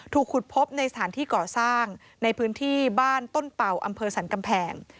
ถูกขุดพบในสถานที่ก่อสร้างในพื้นที่บ้านต้นเป่าอำเภอสรรกำแพง